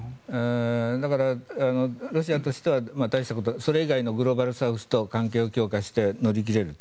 だから、ロシアとしてはそれ以外のグローバルサウスと関係を強化して乗り切れると。